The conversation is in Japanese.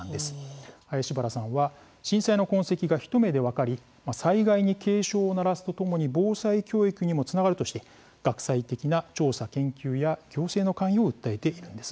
林原さんは震災の痕跡が一目で分かり災害に警鐘を鳴らすとともに防災教育にもつながるとして学際的な調査研究や行政の関与を訴えているんです。